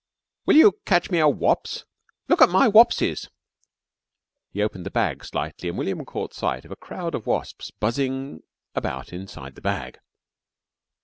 Will you catch me a wopse? Look at my wopses!" He opened the bag slightly and William caught sight of a crowd of wasps buzzing about inside the bag.